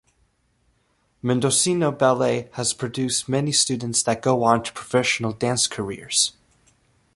Mendocino ballet has produced many students that go on to professional dance careers.